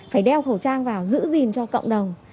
phải đeo khẩu trang vào giữ gìn cho cộng đồng